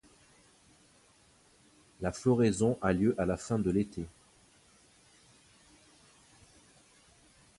La floraison a lieu à la fin de l'été.